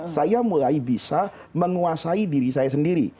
saya mulai bisa menguasai diri saya sendiri